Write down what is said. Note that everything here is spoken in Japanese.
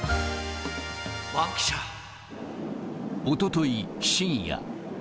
おととい深夜。